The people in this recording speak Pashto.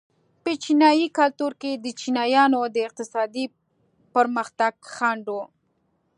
په چینايي کلتور کې د چینایانو د اقتصادي پرمختګ خنډ و.